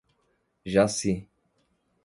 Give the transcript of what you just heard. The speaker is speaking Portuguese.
Jaci